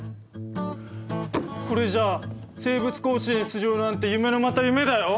これじゃあ生物甲子園出場なんて夢のまた夢だよ。